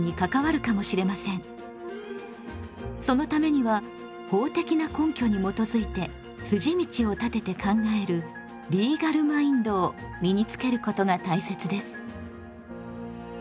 そのためには法的な根拠に基づいて筋道を立てて考えるリーガル・マインドを身につけることが大切です。